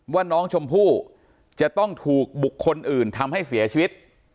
ว่าน้องชมพู่จะต้องถูกบุคคลอื่นทำให้เสียชีวิต